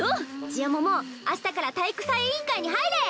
ちよもも明日から体育祭委員会に入れ！